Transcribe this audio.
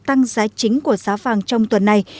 tăng giá chính của giá vàng trong tuần này